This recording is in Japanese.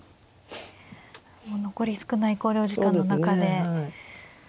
もう残り少ない考慮時間の中で。